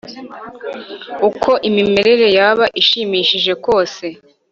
uko imimerere yaba ishimishije kose